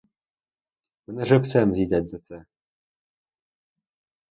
Мене живцем з'їдять за це!